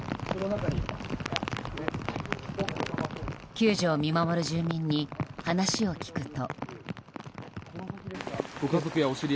救助を見守る住民に話を聞くと。